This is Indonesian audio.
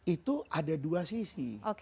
itu ada dua sisi